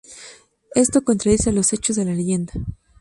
Esto contradice los hechos de la leyenda.